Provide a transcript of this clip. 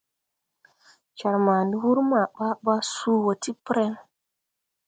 Jar ma ni wur ma baa baa suu wɔ ti preŋ.